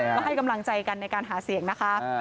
ก็ให้กำลังใจกันในการหาเสียงนะคะ